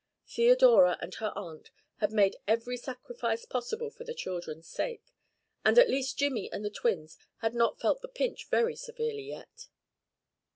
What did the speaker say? Theodora and her aunt had made every sacrifice possible for the children's sake, and at least Jimmy and the twins had not felt the pinch very severely yet.